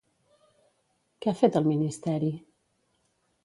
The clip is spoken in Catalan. Què ha fet el ministeri?